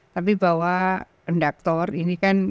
tapi bahwa redaktor ini kan